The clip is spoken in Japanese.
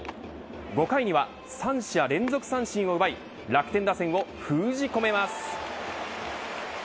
５回には、３者連続三振を奪い楽天打線を封じ込めます。